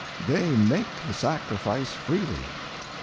They make the sacrifice freely.